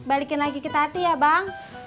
balikin lagi ke tati ya bang